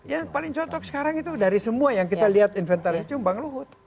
yang paling cocok sekarang itu dari semua yang kita lihat inventaris itu bang luhut